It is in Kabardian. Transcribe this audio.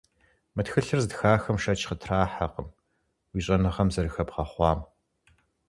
Мы тхылъыр зытхахэм шэч къытрахьэкъым уи щӀэныгъэм зэрыхэбгъэхъуам.